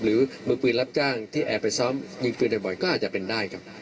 หรือมือปืนรับจ้างที่แอบไปซ้อมยิงปืนบ่อยก็อาจจะเป็นได้ครับ